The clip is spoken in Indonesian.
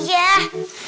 ini masih kotor